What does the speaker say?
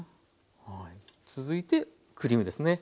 続いてクリームですね。